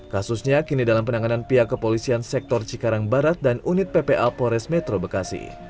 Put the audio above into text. kasusnya kini dalam penanganan pihak kepolisian sektor cikarang barat dan unit ppa pores metro bekasi